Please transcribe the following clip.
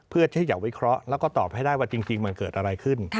เพื่อที่จะวิเคราะห์แล้วก็ตอบให้ได้ว่าจริงมันเกิดอะไรขึ้น